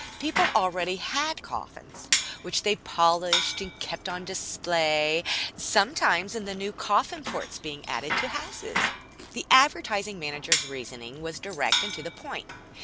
People already had coffins, which they polished and kept on display, sometimes in the new "Coffin ports" being added to houses. The Advertising Manager's reasoning was direct and to the point.